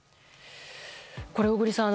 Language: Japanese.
これ、小栗さん